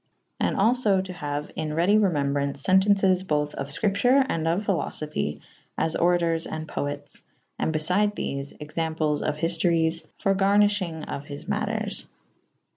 And all fo to haue in redy remewzbraunce fentences bothe of fcripture and of philofophy / as oratours and poetes / and befyde thefe / examples of hiftoryes / for garnylThynge 6f his maters.